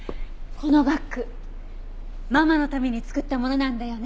このバッグママのために作ったものなんだよね。